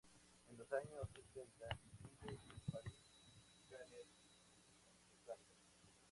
En los años sesenta vive en París, Cannes y Montecarlo.